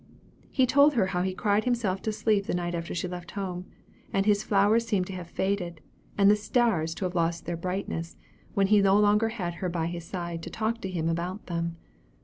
He told her how he cried himself to sleep the night after she left home; and his flowers seemed to have faded, and the stars to have lost their brightness, when he no longer had her by his side to talk to him about them.